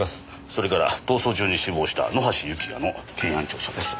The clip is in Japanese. それから逃走中に死亡した野橋幸也の検案調書です。